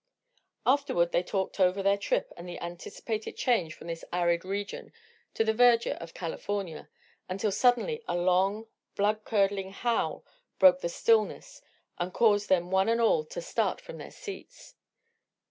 Afterward they talked over their trip and the anticipated change from this arid region to the verdure of California, until suddenly a long, bloodcurdling howl broke the stillness and caused them one and all to start from their seats.